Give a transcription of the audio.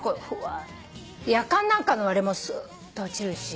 やかんなんかのあれもすーっと落ちるし。